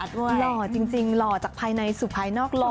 หล่อจริงหล่อจากภายในสู่ภายนอกหล่อ